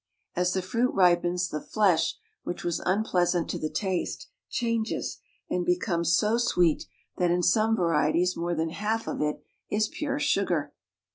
As ■the fruit ripens, the [flesh, which was un I pleasant to the taste, Kchanges and becomes [.BO sweet that in some (varieties more than lalf of it is pure Psugar.